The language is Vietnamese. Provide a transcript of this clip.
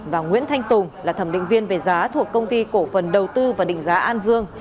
và nguyễn thanh tùng là thẩm định viên về giá thuộc công ty cổ phần đầu tư và định giá an dương